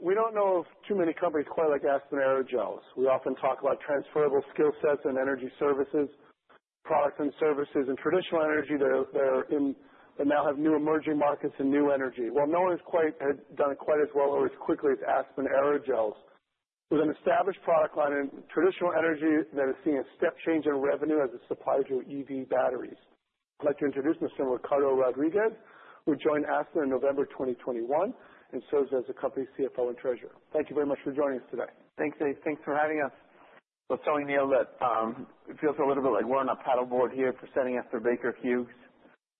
We don't know of too many companies quite like Aspen Aerogels. We often talk about transferable skill sets and energy services, products and services in traditional energy. They're in. They now have new emerging markets in new energy. Well, no one has quite had done it quite as well or as quickly as Aspen Aerogels. With an established product line in traditional energy that is seeing a step change in revenue as it's supplied through EV batteries. I'd like to introduce Mr. Ricardo Rodriguez, who joined Aspen in November 2021 and serves as the company's CFO and Treasurer. Thank you very much for joining us today. Thanks, Dave. Thanks for having us. Telling Neal that, it feels a little bit like we're on a paddleboard here presenting after Baker Hughes,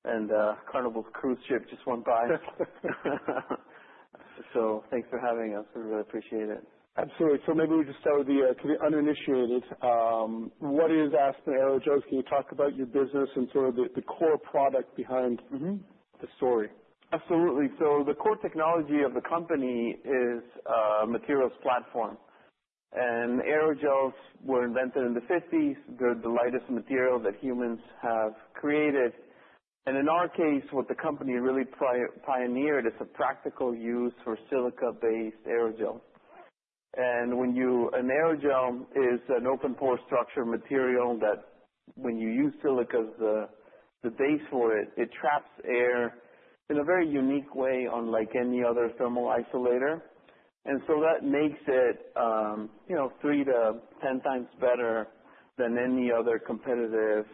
and Carnival's cruise ship just went by. So thanks for having us. We really appreciate it. Absolutely. So maybe we just start with, to the uninitiated, what is Aspen Aerogels? Can you talk about your business and sort of the core product behind. Mm-hmm. The story? Absolutely. So the core technology of the company is a materials platform. And aerogels were invented in the 1950s. They're the lightest material that humans have created. And in our case, what the company really pioneered is a practical use for silica-based aerogels. And what an aerogel is an open-pore structure material that when you use silica as the base for it, it traps air in a very unique way unlike any other thermal isolator. And so that makes it, you know, three to 10 times better than any other competitive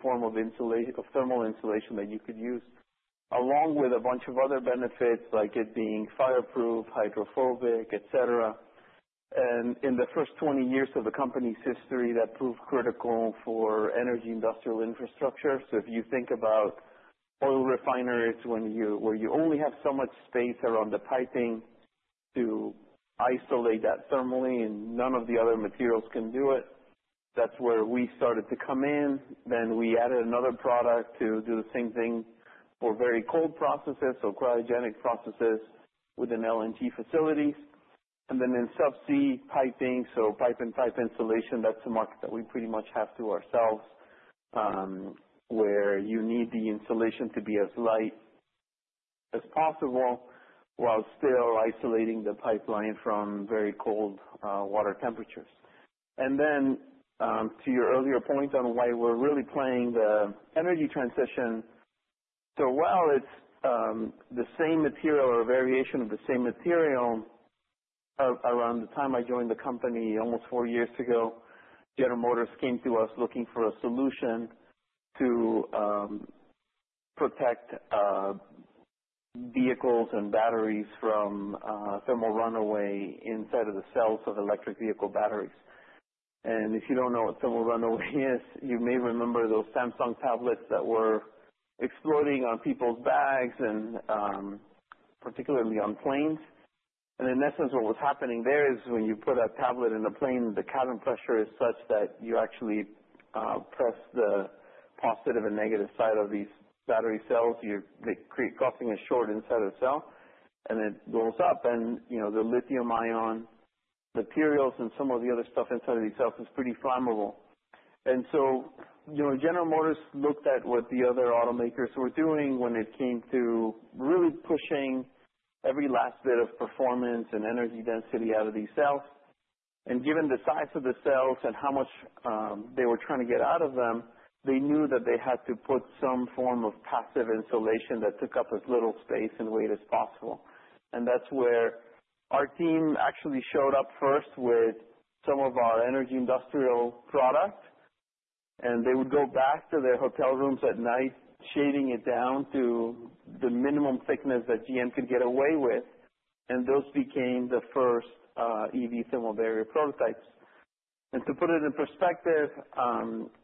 form of thermal insulation that you could use, along with a bunch of other benefits like it being fireproof, hydrophobic, et cetera. And in the first 20 years of the company's history, that proved critical for energy industrial infrastructure. If you think about oil refineries when you only have so much space around the piping to isolate that thermally and none of the other materials can do it, that's where we started to come in. We added another product to do the same thing for very cold processes, so cryogenic processes within LNG facilities. In subsea piping, so pipe-in-pipe insulation, that's a market that we pretty much have to ourselves, where you need the insulation to be as light as possible while still isolating the pipeline from very cold water temperatures. To your earlier point on why we're really playing the energy transition so well, it's the same material or a variation of the same material. Around the time I joined the company almost four years ago, General Motors came to us looking for a solution to protect vehicles and batteries from thermal runaway inside of the cells of electric vehicle batteries. And if you don't know what thermal runaway is, you may remember those Samsung tablets that were exploding on people's bags and particularly on planes. And in essence, what was happening there is when you put a tablet in a plane, the cabin pressure is such that you actually press the positive and negative side of these battery cells together, creating a short inside the cell, and it blows up. And, you know, the lithium-ion materials and some of the other stuff inside of these cells is pretty flammable. And so, you know, General Motors looked at what the other automakers were doing when it came to really pushing every last bit of performance and energy density out of these cells. And given the size of the cells and how much they were trying to get out of them, they knew that they had to put some form of passive insulation that took up as little space and weight as possible. And that's where our team actually showed up first with some of our energy industrial product. And they would go back to their hotel rooms at night, shaving it down to the minimum thickness that GM could get away with. And those became the first EV thermal barrier prototypes. And to put it in perspective,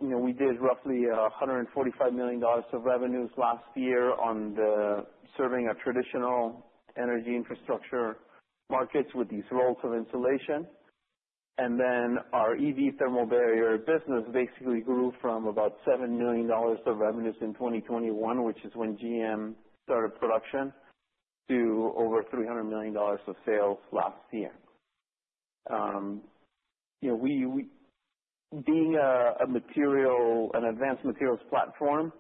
you know, we did roughly $145 million of revenues last year on the serving of traditional energy infrastructure markets with these rolls of insulation. And then our EV thermal barrier business basically grew from about $7 million of revenues in 2021, which is when GM started production, to over $300 million of sales last year. You know, we being a material, an advanced materials platform,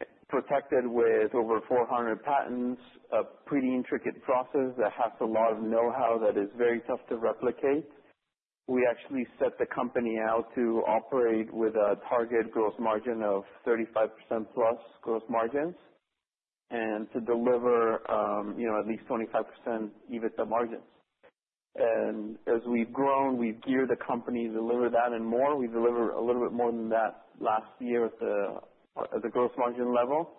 it's protected with over 400 patents, a pretty intricate process that has a lot of know-how that is very tough to replicate. We actually set the company out to operate with a target gross margin of 35%+ gross margins and to deliver, you know, at least 25% EBITDA margins. And as we've grown, we've geared the company to deliver that and more. We delivered a little bit more than that last year at the gross margin level.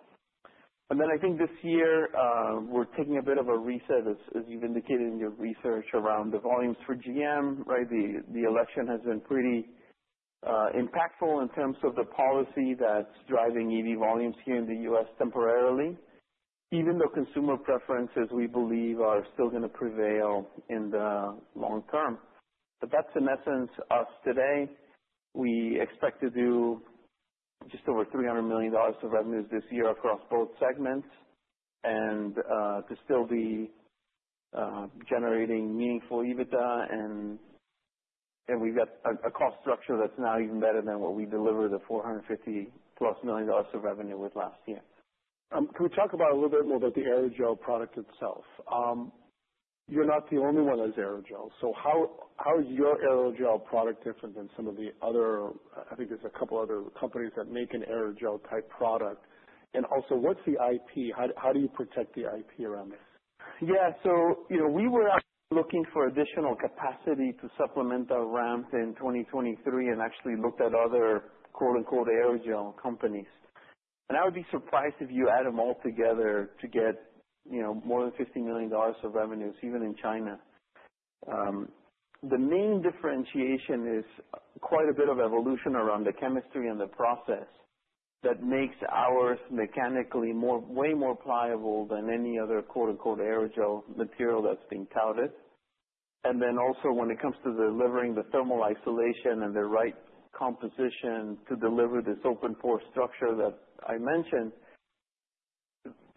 And then I think this year, we're taking a bit of a reset as you've indicated in your research around the volumes for GM, right? The election has been pretty impactful in terms of the policy that's driving EV volumes here in the U.S. temporarily, even though consumer preferences we believe are still gonna prevail in the long term. But that's in essence of today. We expect to do just over $300 million of revenues this year across both segments and to still be generating meaningful EBITDA. And we've got a cost structure that's now even better than what we delivered at $450+ million of revenue last year. Can we talk about a little bit more about the aerogel product itself? You're not the only one that has aerogel. So how is your aerogel product different than some of the other? I think there's a couple other companies that make an aerogel-type product. And also, what's the IP? How do you protect the IP around this? Yeah. So, you know, we were actually looking for additional capacity to supplement our ramp in 2023 and actually looked at other "aerogel" companies. And I would be surprised if you add them all together to get, you know, more than $50 million of revenues, even in China. The main differentiation is quite a bit of evolution around the chemistry and the process that makes ours mechanically way more pliable than any other "aerogel" material that's being touted. And then also, when it comes to delivering the thermal isolation and the right composition to deliver this open-pore structure that I mentioned,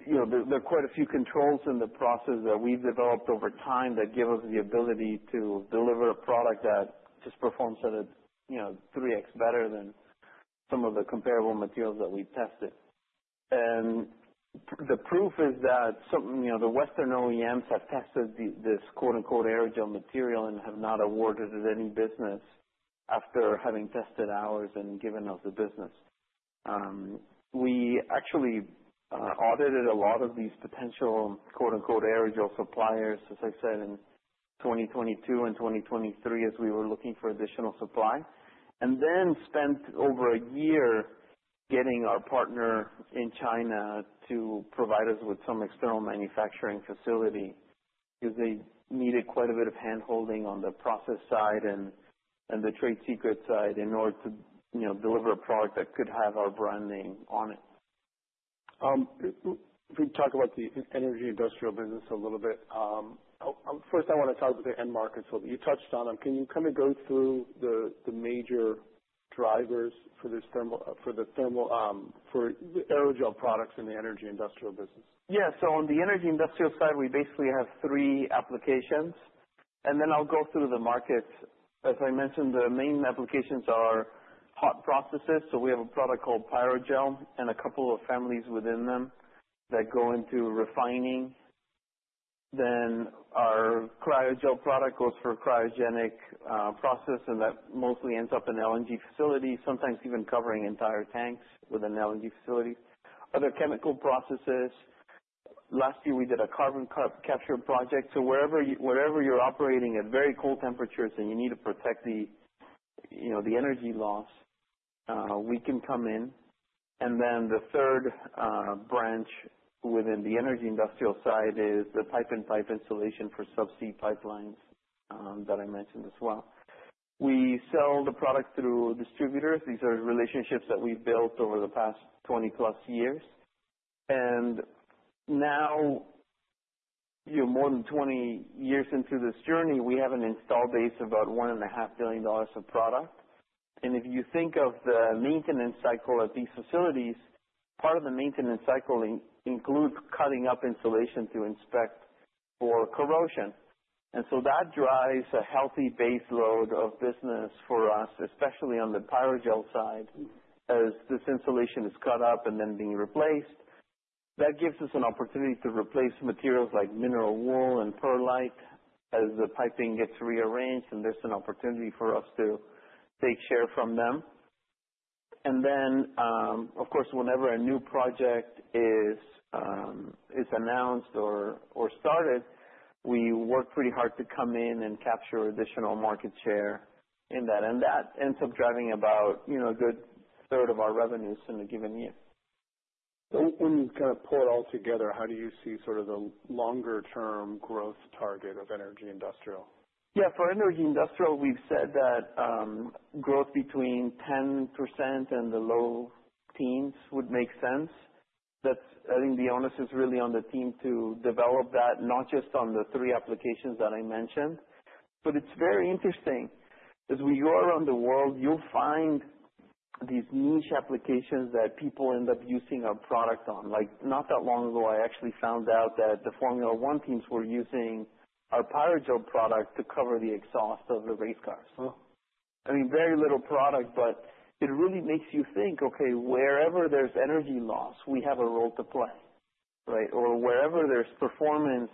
you know, there are quite a few controls in the process that we've developed over time that give us the ability to deliver a product that just performs at a, you know, 3X better than some of the comparable materials that we've tested. The proof is that some, you know, the Western OEMs have tested this "aerogel" material and have not awarded it any business after having tested ours and given us the business. We actually audited a lot of these potential "aerogel" suppliers, as I said, in 2022 and 2023 as we were looking for additional supply, and then spent over a year getting our partner in China to provide us with some external manufacturing facility because they needed quite a bit of hand-holding on the process side and the trade secret side in order to, you know, deliver a product that could have our brand name on it. If we talk about the energy industrial business a little bit, I'll first wanna talk about the end markets a little bit. You touched on them. Can you kinda go through the major drivers for this thermal for the aerogel products in the energy industrial business? Yeah. So on the energy industrial side, we basically have three applications. And then I'll go through the markets. As I mentioned, the main applications are hot processes. So we have a product called Pyrogel and a couple of families within them that go into refining. Then our Cryogel product goes for a cryogenic process, and that mostly ends up in LNG facilities, sometimes even covering entire tanks within LNG facilities. Other chemical processes. Last year, we did a carbon capture project. So wherever you're operating at very cold temperatures and you need to protect the, you know, the energy loss, we can come in. And then the third branch within the energy industrial side is the pipe-in-pipe insulation for subsea pipelines, that I mentioned as well. We sell the product through distributors. These are relationships that we've built over the past 20+ years. Now, you know, more than 20 years into this journey, we have an install base of about $1.5 billion of product. And if you think of the maintenance cycle at these facilities, part of the maintenance cycle includes cutting up insulation to inspect for corrosion. And so that drives a healthy baseload of business for us, especially on the Pyrogel side, as this insulation is cut up and then being replaced. That gives us an opportunity to replace materials like mineral wool and perlite as the piping gets rearranged, and there's an opportunity for us to take share from them. And then, of course, whenever a new project is announced or started, we work pretty hard to come in and capture additional market share in that. And that ends up driving about, you know, a good third of our revenues in a given year. When you kinda pull it all together, how do you see sort of the longer-term growth target of energy industrial? Yeah. For energy industrial, we've said that growth between 10% and the low teens would make sense. That's, I think, the onus is really on the team to develop that, not just on the three applications that I mentioned. But it's very interesting 'cause when you go around the world, you'll find these niche applications that people end up using our product on. Like, not that long ago, I actually found out that the Formula 1 teams were using our Pyrogel product to cover the exhaust of the race cars. Oh. I mean, very little product, but it really makes you think, "Okay, wherever there's energy loss, we have a role to play," right? Or wherever there's performance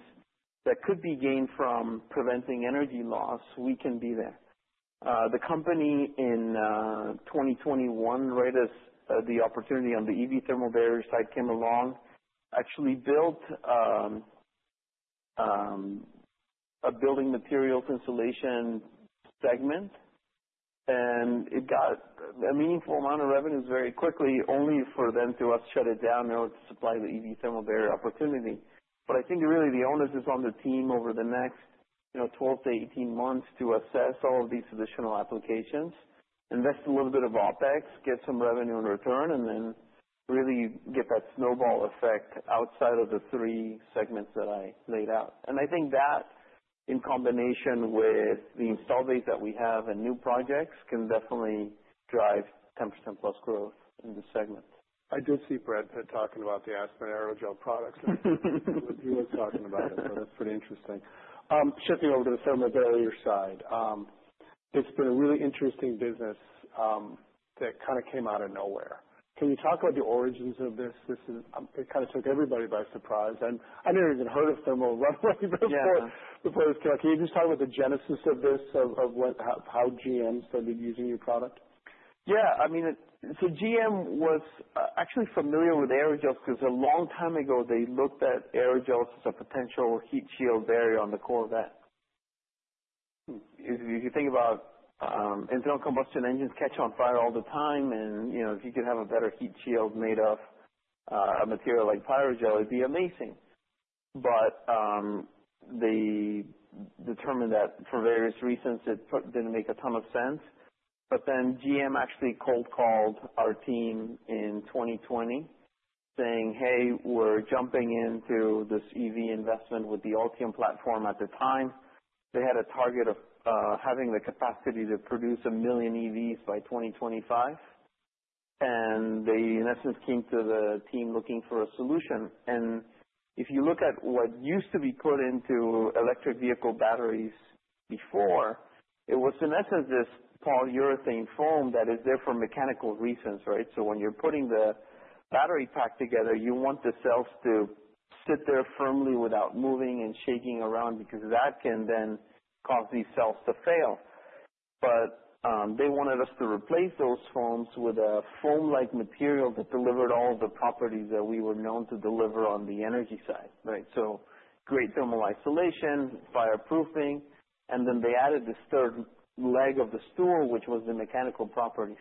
that could be gained from preventing energy loss, we can be there. I joined the company in 2021, right as the opportunity on the EV thermal barrier side came along, actually built a building materials insulation segment. It got a meaningful amount of revenues very quickly, only for us to shut it down in order to supply the EV thermal barrier opportunity. But I think really the onus is on the team over the next, you know, 12 months-18 months to assess all of these additional applications, invest a little bit of OpEx, get some revenue in return, and then really get that snowball effect outside of the three segments that I laid out. I think that in combination with the install base that we have and new projects can definitely drive 10%+ growth in the segment. I did see Brad Pitt talking about the Aspen Aerogels products. He was talking about it, so that's pretty interesting. Shifting over to the thermal barrier side, it's been a really interesting business, that kinda came out of nowhere. Can you talk about the origins of this? This is, it kinda took everybody by surprise. And I never even heard of thermal runaway before. Yeah. Before this came out. Can you just talk about the genesis of this, what, how GM started using your product? Yeah. I mean, so GM was actually familiar with aerogel 'cause a long time ago, they looked at aerogel as a potential heat shield barrier on the Corvette. If you think about internal combustion engines catch on fire all the time, and you know, if you could have a better heat shield made of a material like Pyrogel, it'd be amazing. But they determined that for various reasons, it didn't make a ton of sense. But then GM actually cold-called our team in 2020, saying, "Hey, we're jumping into this EV investment with the Ultium platform." At the time, they had a target of having the capacity to produce a million EVs by 2025. And they in essence came to the team looking for a solution. And if you look at what used to be put into electric vehicle batteries before, it was, in essence, this polyurethane foam that is there for mechanical reasons, right? So when you're putting the battery pack together, you want the cells to sit there firmly without moving and shaking around because that can then cause these cells to fail. But, they wanted us to replace those foams with a foam-like material that delivered all the properties that we were known to deliver on the energy side, right? So great thermal isolation, fireproofing, and then they added the third leg of the stool, which was the mechanical properties.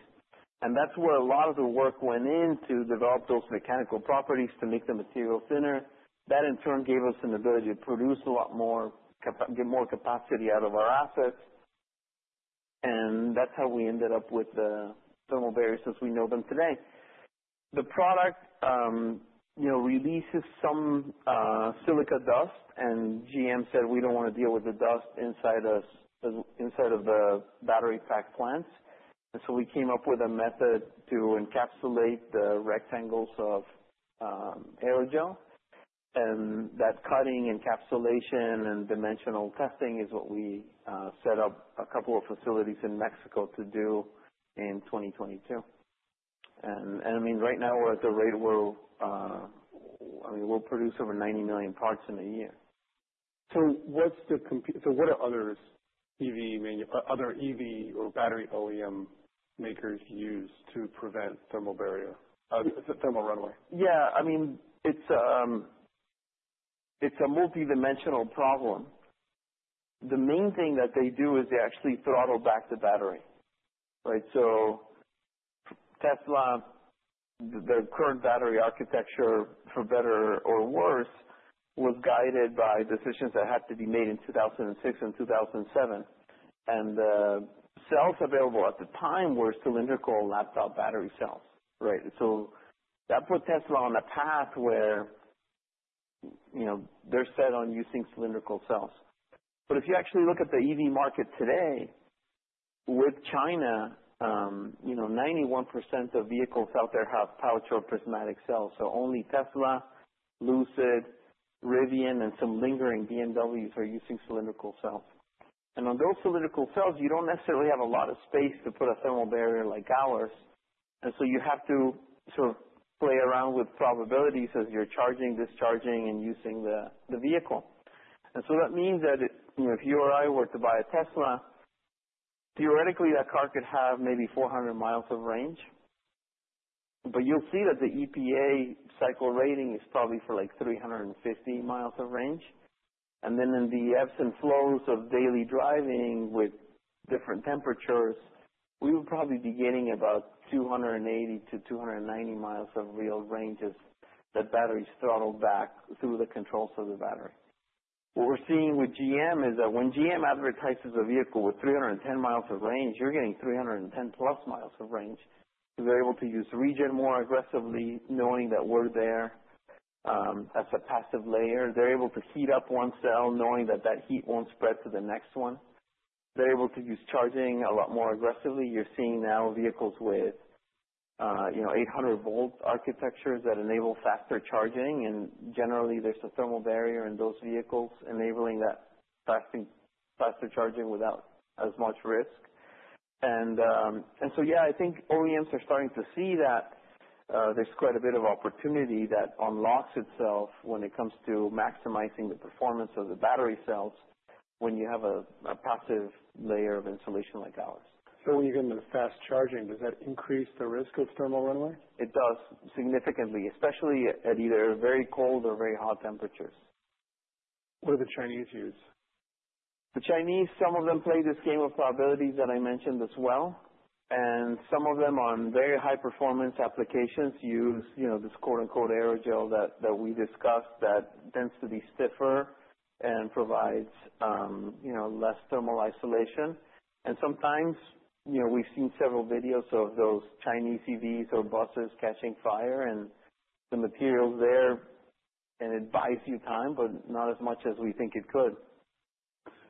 And that's where a lot of the work went in to develop those mechanical properties to make the material thinner. That, in turn, gave us an ability to produce a lot more, get more capacity out of our assets. That's how we ended up with the thermal barriers as we know them today. The product, you know, releases some silica dust, and GM said, "We don't wanna deal with the dust inside the battery pack plants." So we came up with a method to encapsulate the rectangles of aerogel. That cutting encapsulation and dimensional testing is what we set up a couple of facilities in Mexico to do in 2022. I mean, right now, we're at the rate we'll, I mean, we'll produce over 90 million parts in a year. So what's the comp? So what are other EV manufacturers or battery OEM makers use to prevent thermal barrier thermal runaway? Yeah. I mean, it's a multidimensional problem. The main thing that they do is they actually throttle back the battery, right? So Tesla, the current battery architecture, for better or worse, was guided by decisions that had to be made in 2006 and 2007. And the cells available at the time were cylindrical laptop battery cells, right? So that put Tesla on a path where, you know, they're set on using cylindrical cells. But if you actually look at the EV market today, with China, you know, 91% of vehicles out there have pouch or prismatic cells. So only Tesla, Lucid, Rivian, and some lingering BMWs are using cylindrical cells. And on those cylindrical cells, you don't necessarily have a lot of space to put a thermal barrier like ours. And so you have to sort of play around with probabilities as you're charging, discharging, and using the vehicle. And so that means that it, you know, if you or I were to buy a Tesla, theoretically, that car could have maybe 400 miles of range. But you'll see that the EPA cycle rating is probably for like 350 miles of range. And then in the ebbs and flows of daily driving with different temperatures, we would probably be getting about 280 miles-290 miles of real range as that battery's throttled back through the controls of the battery. What we're seeing with GM is that when GM advertises a vehicle with 310 miles of range, you're getting 310+ miles of range. So they're able to use regen more aggressively, knowing that we're there, as a passive layer. They're able to heat up one cell, knowing that that heat won't spread to the next one. They're able to use charging a lot more aggressively. You're seeing now vehicles with, you know, 800-volt architectures that enable faster charging. And generally, there's a thermal barrier in those vehicles enabling that faster charging without as much risk. And so, yeah, I think OEMs are starting to see that. There's quite a bit of opportunity that unlocks itself when it comes to maximizing the performance of the battery cells when you have a passive layer of insulation like ours. So when you're getting the fast charging, does that increase the risk of thermal runaway? It does significantly, especially at either very cold or very hot temperatures. What do the Chinese use? The Chinese, some of them play this game of probabilities that I mentioned as well. And some of them on very high-performance applications use, you know, this "aerogel" that we discussed that tends to be stiffer and provides, you know, less thermal isolation. And sometimes, you know, we've seen several videos of those Chinese EVs or buses catching fire, and the material's there, and it buys you time, but not as much as we think it could.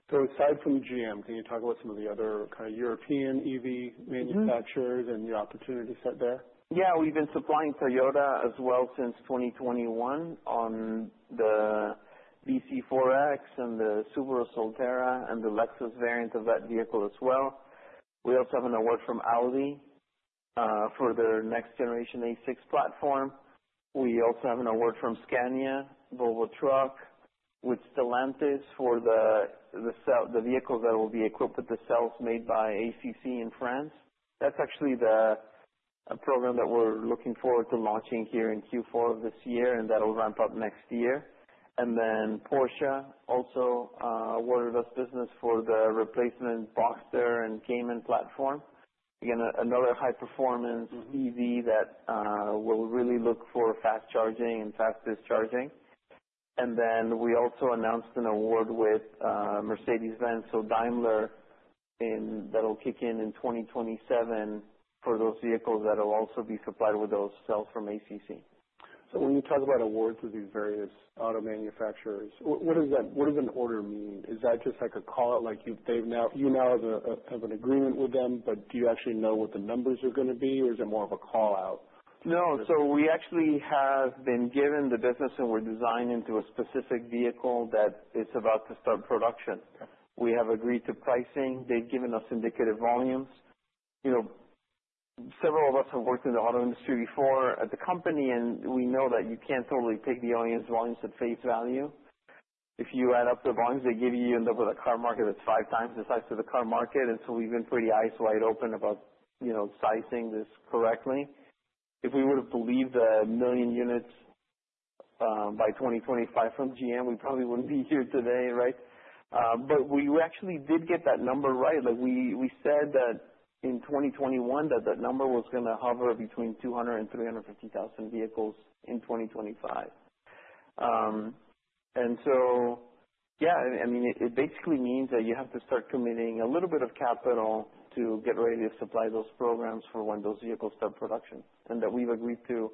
So aside from GM, can you talk about some of the other kinda European EV manufacturers? Yeah. The opportunity set there? Yeah. We've been supplying Toyota as well since 2021 on the bZ4X and the Subaru Solterra and the Lexus variant of that vehicle as well. We also have an award from Audi, for their next-generation A6 platform. We also have an award from Scania, Volvo Trucks, with Stellantis for the vehicles that will be equipped with the cells made by ACC in France. That's actually the program that we're looking forward to launching here in Q4 of this year, and that'll ramp up next year. And then Porsche also awarded us business for the replacement Boxster and Cayman platform. Again, another high-performance. Mm-hmm. EV that will really look for fast charging and fast discharging. And then we also announced an award with Mercedes-Benz. So Daimler and that'll kick in in 2027 for those vehicles that'll also be supplied with those cells from ACC. So when you talk about awards with these various auto manufacturers, what does that mean? What does an award mean? Is that just like a callout, like you now have an agreement with them, but do you actually know what the numbers are gonna be, or is it more of a callout? No. So we actually have been given the business, and we're designed into a specific vehicle that is about to start production. Okay. We have agreed to pricing. They've given us indicative volumes. You know, several of us have worked in the auto industry before at the company, and we know that you can't totally take the OEM's volumes at face value. If you add up the volumes they give you, you end up with a car market that's five times the size of the car market. And so we've been pretty eyes wide open about, you know, sizing this correctly. If we would've believed the million units by 2025 from GM, we probably wouldn't be here today, right? But we actually did get that number right. Like, we said that in 2021 that number was gonna hover between 200 and 350 thousand vehicles in 2025. And so, yeah, I mean, it, it basically means that you have to start committing a little bit of capital to get ready to supply those programs for when those vehicles start production, and that we've agreed to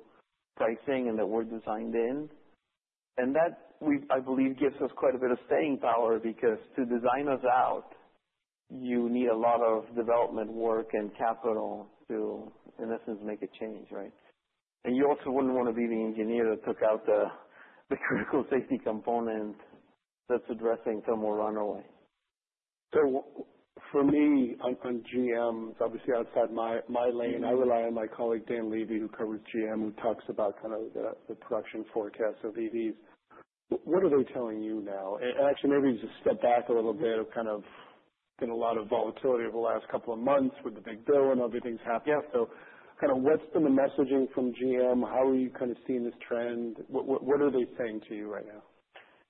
pricing and that we're designed in. And that, we, I believe, gives us quite a bit of staying power because to design us out, you need a lot of development work and capital to, in essence, make a change, right? And you also wouldn't wanna be the engineer that took out the, the critical safety component that's addressing thermal runaway. So, for me, on GM, obviously, outside my lane, I rely on my colleague Dan Levy, who covers GM, who talks about kind of the production forecasts of EVs. What are they telling you now? Actually, maybe just step back a little bit. Kind of been a lot of volatility over the last couple of months with the big bill and everything's happening. Yeah. So kinda what's been the messaging from GM? How are you kinda seeing this trend? What are they saying to you right now?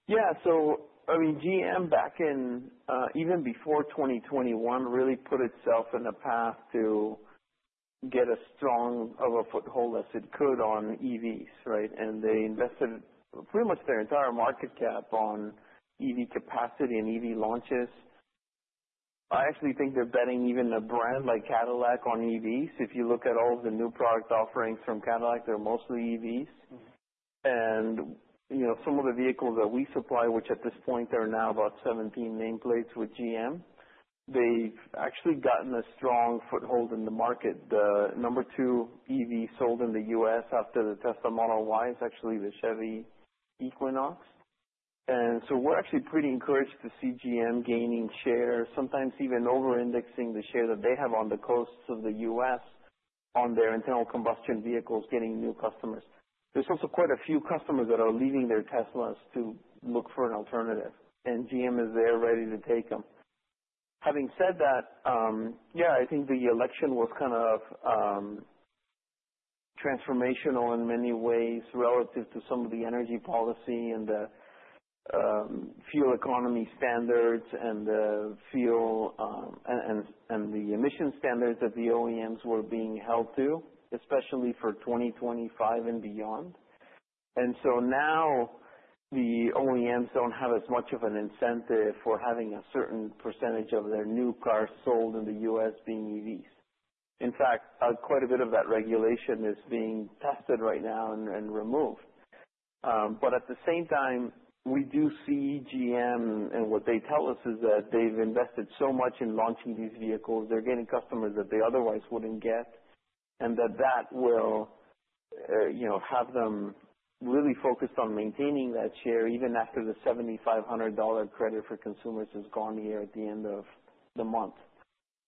Yeah. So, I mean, GM back in, even before 2021, really put itself in a path to get as strong of a foothold as it could on EVs, right? And they invested pretty much their entire market cap on EV capacity and EV launches. I actually think they're betting even a brand like Cadillac on EVs. If you look at all of the new product offerings from Cadillac, they're mostly EVs. Mm-hmm. You know, some of the vehicles that we supply, which at this point, there are now about 17 nameplates with GM, they've actually gotten a strong foothold in the market. The number two EV sold in the U.S. after the Tesla Model Y is actually the Chevy Equinox. We're actually pretty encouraged to see GM gaining share, sometimes even over-indexing the share that they have on the coasts of the U.S. on their internal combustion vehicles getting new customers. There's also quite a few customers that are leaving their Teslas to look for an alternative, and GM is there ready to take them. Having said that, yeah, I think the election was kind of transformational in many ways relative to some of the energy policy and the fuel economy standards and the emission standards that the OEMs were being held to, especially for 2025 and beyond, and so now the OEMs don't have as much of an incentive for having a certain percentage of their new cars sold in the U.S. being EVs. In fact, quite a bit of that regulation is being tested right now and removed. But at the same time, we do see GM, and what they tell us is that they've invested so much in launching these vehicles, they're getting customers that they otherwise wouldn't get, and that will, you know, have them really focused on maintaining that share even after the $7,500 credit for consumers has gone here at the end of the month.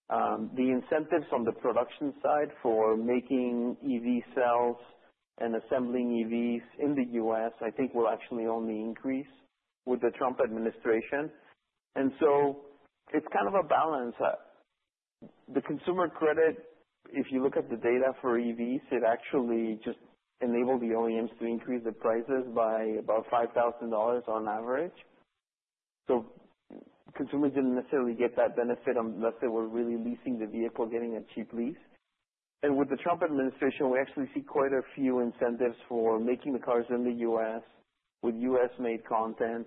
The incentives on the production side for making EV cells and assembling EVs in the U.S., I think, will actually only increase with the Trump administration, and so it's kind of a balance. The consumer credit, if you look at the data for EVs, it actually just enabled the OEMs to increase the prices by about $5,000 on average, so consumers didn't necessarily get that benefit unless they were really leasing the vehicle, getting a cheap lease. And with the Trump administration, we actually see quite a few incentives for making the cars in the U.S. with U.S.-made content,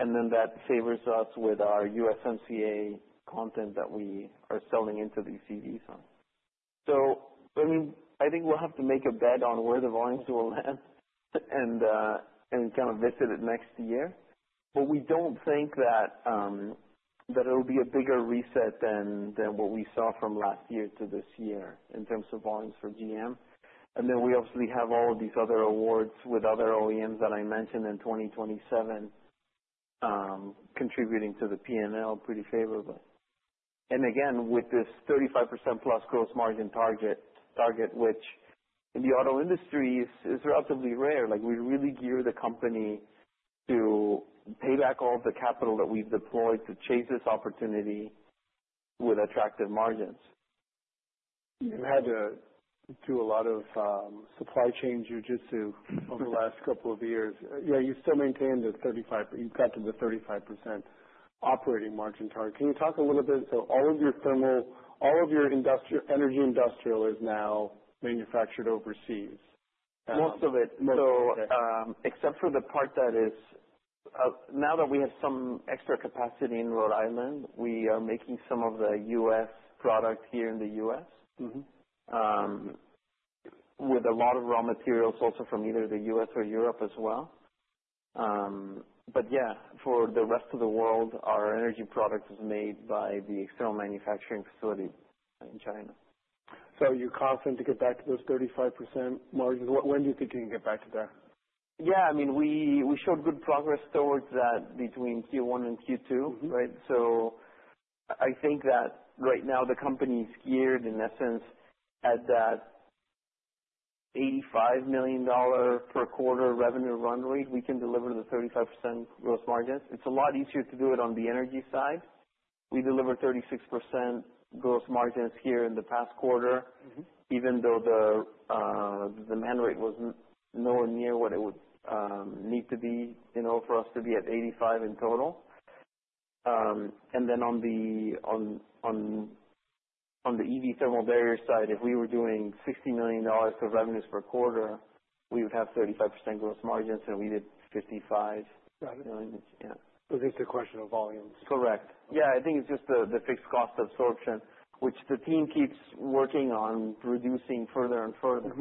and then that favors us with our USMCA content that we are selling into these EVs on. So, I mean, I think we'll have to make a bet on where the volumes will land and kinda visit it next year. But we don't think that it'll be a bigger reset than what we saw from last year to this year in terms of volumes for GM. And then we obviously have all of these other awards with other OEMs that I mentioned in 2027, contributing to the P&L pretty favorably. And again, with this 35%+ gross margin target, which in the auto industry is relatively rare. Like, we really gear the company to pay back all of the capital that we've deployed to chase this opportunity with attractive margins. You had to do a lot of supply chain jujitsu over the last couple of years. Yeah, you still maintain the 35% you've got to the 35% operating margin target. Can you talk a little bit? So all of your thermal all of your industrial energy industrial is now manufactured overseas. Most of it. Most of it. So, except for the part that is, now that we have some extra capacity in Rhode Island, we are making some of the U.S. product here in the U.S. Mm-hmm. With a lot of raw materials also from either the U.S. or Europe as well, but yeah, for the rest of the world, our energy product is made by the external manufacturing facility in China. So are you confident to get back to those 35% margins? What, when do you think you can get back to there? Yeah. I mean, we showed good progress towards that between Q1 and Q2. Mm-hmm. Right? So I think that right now, the company's geared, in essence, at that $85 million per quarter revenue run rate. We can deliver the 35% gross margins. It's a lot easier to do it on the energy side. We deliver 36% gross margins here in the past quarter. Mm-hmm. Even though the demand rate wasn't nowhere near what it would need to be, you know, for us to be at 85 in total. And then on the EV thermal barrier side, if we were doing $60 million for revenues per quarter, we would have 35% gross margins, and we did 55%. Got it. Millions, yeah. So just a question of volumes. Correct. Yeah. I think it's just the fixed cost absorption, which the team keeps working on reducing further and further.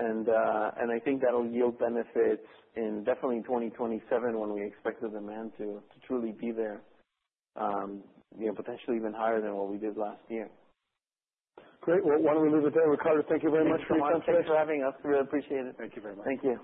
Mm-hmm. I think that'll yield benefits in definitely 2027 when we expect the demand to truly be there, you know, potentially even higher than what we did last year. Great. Well, why don't we leave it there? Ricardo, thank you very much for your time. Thank you so much for having us. We appreciate it. Thank you very much. Thank you.